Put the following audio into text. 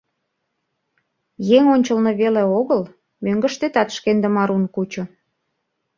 «Еҥ ончылно веле огыл, мӧҥгыштетат шкендым арун кучо.